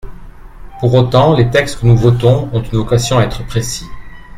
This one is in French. Pour autant, les textes que nous votons ont vocation à être précis.